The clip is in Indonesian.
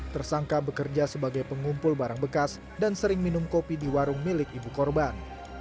tersangka bekerja sebagai pengumpul barang bekas dan sering minum kopi di warung milik ibu korban